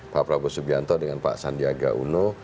pak prabowo subianto dengan pak sandiaga uno